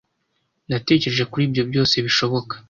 Natekereje kuri ibyo byose bishoboka.